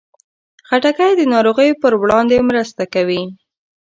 خټکی د ناروغیو پر وړاندې مرسته کوي.